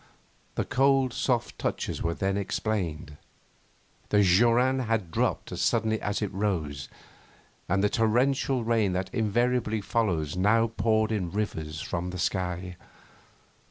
The cold, soft touches were then explained. The joran had dropped as suddenly as it rose, and the torrential rain that invariably follows now poured in rivers from the sky.